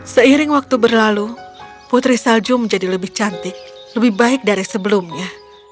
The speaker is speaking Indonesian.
seiring waktu berlalu putri salju menjadi lebih cantik lebih baik dari sebelumnya